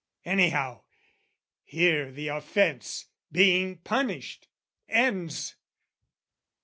Anyhow, here the offence, being punished, ends.